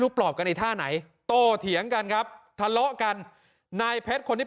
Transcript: ปลอบกันไอ้ท่าไหนโตเถียงกันครับทะเลาะกันนายเพชรคนที่